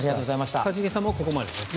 一茂さんもここまでですね。